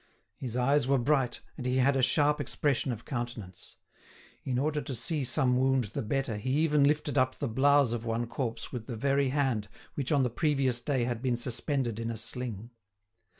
His eyes were bright, and he had a sharp expression of countenance. In order to see some wound the better he even lifted up the blouse of one corpse with the very hand which on the previous day had been suspended in a sling.